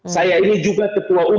saya ini juga ketua umum ormas islam